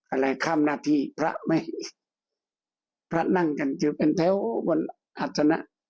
อะไรข้ามหน้าที่พระไม่พระนั่งกันจุดเป็นแถววันอัศนะ